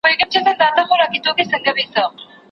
څنګه کولای سو بهرني سیلانیان افغانستان ته راجلب کړو؟